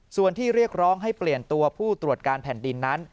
ส่วนที่เรียกร้องให้เปลี่ยนตัวผู้ตรวจการแผ่นดินนั้น